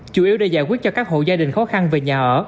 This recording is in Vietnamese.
chủ yếu để giải quyết cho các hộ gia đình khó khăn về nhà ở